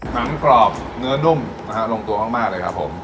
หนังกรอบเนื้อนุ่มนะฮะลงตัวมากเลยครับผม